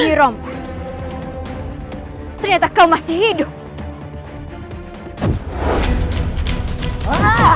hirom ternyata kau masih hidup